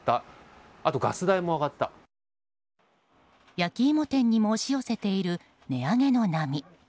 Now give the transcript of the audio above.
焼き芋店にも押し寄せている値上げの波。